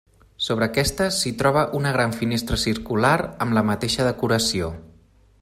Sobre aquesta s'hi troba una gran finestra circular amb la mateixa decoració.